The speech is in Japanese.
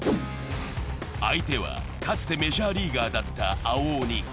相手はかつてメジャーリーガーだった青鬼。